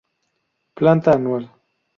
Planta anual.